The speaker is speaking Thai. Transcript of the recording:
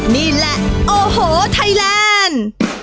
นี่แหละโอ้โหไทยแลนด์